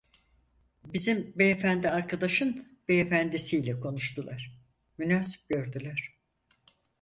Bizim beyefendi arkadaşın beyefendisiyle konuştular, münasip gördüler.